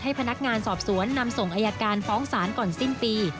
พนักงานสอบสวนนำส่งอายการฟ้องศาลก่อนสิ้นปี